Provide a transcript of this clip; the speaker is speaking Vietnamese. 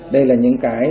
đây là những cái